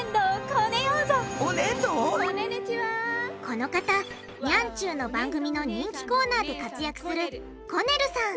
この方ニャンちゅうの番組の人気コーナーで活躍するコネルさん！